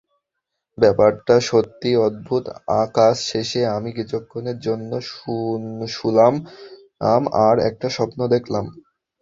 ব্যাপারটা সত্যিই অদ্ভুত, কাজ শেষে আমি কিছুক্ষণের জন্য শুলাম আর একটা স্বপ্ন দেখলাম।